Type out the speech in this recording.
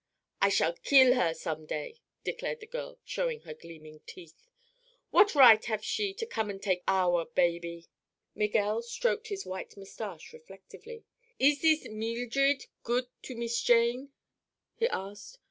"I shall kill her, some day," declared the girl, showing her gleaming teeth. "What right have she to come an' take our baby?" Miguel stroked his white moustache reflectively. "Ees this Meeldred good to Mees Jane?" he asked.